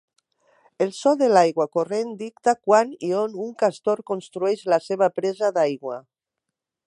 El so de l'aigua corrent dicta quan i on un castor construeix la seva presa d'aigua.